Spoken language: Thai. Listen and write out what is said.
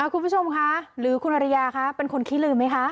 คุณผู้ชมคะหรือคุณอริยาคะเป็นคนขี้ลืมไหมคะ